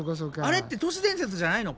あれって都市伝説じゃないの？